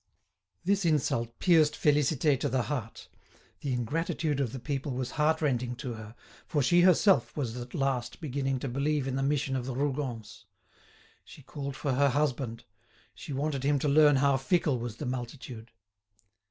This insult pierced Félicité to the heart. The ingratitude of the people was heartrending to her, for she herself was at last beginning to believe in the mission of the Rougons. She called for her husband. She wanted him to learn how fickle was the multitude.